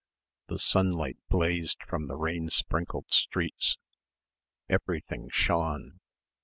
the sunlight blazed from the rain sprinkled streets. Everything shone.